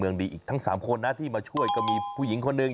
ดีอีกทั้ง๓คนนะที่มาช่วยก็มีผู้หญิงคนหนึ่ง